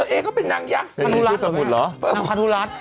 นางคาดุรัส